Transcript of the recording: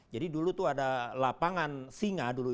jadi dulu itu ada lapangan singa